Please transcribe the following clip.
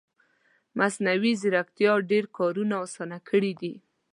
مصنوعي ځیرکتیا ډېر کارونه اسانه کړي دي